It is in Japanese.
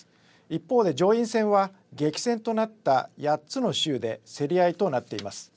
一方で上院選は激戦となった８つの州で競り合いとなっています。